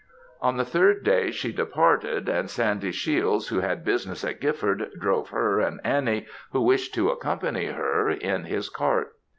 On the third day she departed; and Sandy Shiels, who had business at Gifford, drove her and Annie, who wished to accompany her, in his cart.